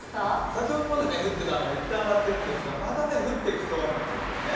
先ほどまで降っていた雨はいったん上がっているんですが、また降ってきそうなんですよね。